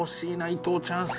伊藤チャンス。